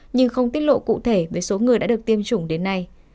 nhưng không tiết lộ cụ thể về số người đã được tiêm chủng đến nay